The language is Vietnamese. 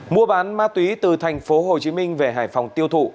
mua bán ma túy từ tp hồ chí minh về hải phòng tiêu thụ